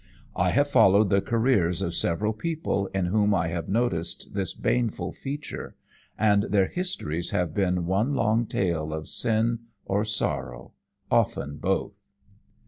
I have followed the careers of several people in whom I have noticed this baneful feature, and their histories have been one long tale of sin or sorrow often both.